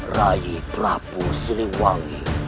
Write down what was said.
raih peramu siliwangi